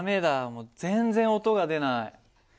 もう全然音が出ない。